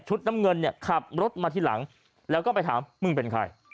น้ำเงินเนี่ยขับรถมาทีหลังแล้วก็ไปถามมึงเป็นใคร